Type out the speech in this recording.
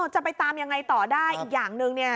จะไปตามยังไงต่อได้อีกอย่างหนึ่งเนี่ย